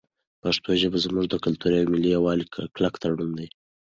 پښتو ژبه زموږ د کلتوري او ملي یووالي کلک تړون دی.